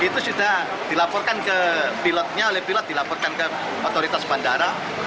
itu sudah dilaporkan ke pilotnya oleh pilot dilaporkan ke otoritas bandara